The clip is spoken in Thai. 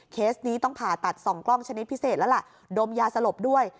นี้ต้องผ่าตัดสองกล้องชนิดพิเศษแล้วล่ะดมยาสลบด้วย